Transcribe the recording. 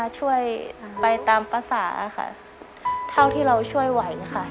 ช่วยไปตามภาษาค่ะเท่าที่เราช่วยไหวค่ะ